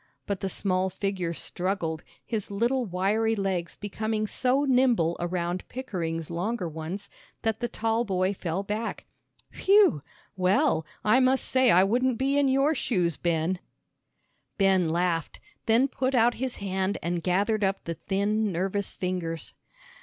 But the small figure struggled, his little wiry legs becoming so nimble around Pickering's longer ones, that the tall boy fell back. "Whew! Well, I must say I wouldn't be in your shoes, Ben!" Ben laughed, then put out his hand and gathered up the thin nervous fingers.